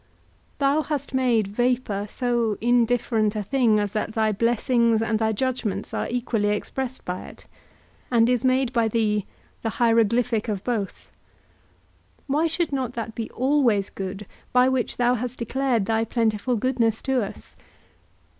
Thou hast made vapour so indifferent a thing as that thy blessings and thy judgments are equally expressed by it, and is made by thee the hieroglyphic of both. Why should not that be always good by which thou hast declared thy plentiful goodness to us?